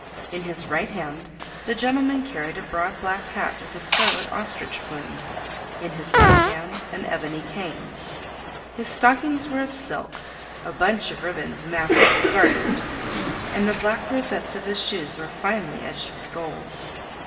In his right hand the gentleman carried a broad black hat with a scarlet ostrich plume, in his left hand an ebony cane. His stockings were of silk, a bunch of ribbons masked his garters, and the black rosettes on his shoes were finely edged with gold.